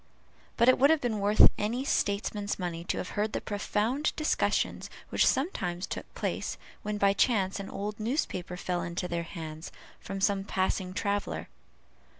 But it would have been worth any statesman's money to have heard the profound discussions which sometimes took place, when by chance an old newspaper fell into their hands from some passing traveller.